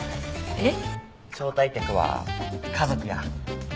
えっ？